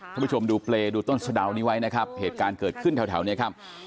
ผู้ชมดูเปรย์ดูต้นสะดาวนี้ไว้นะครับเหตุการณ์เกิดขึ้นแถวแถวนี้ครับ